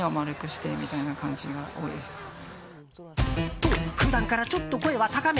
と、普段からちょっと声は高め。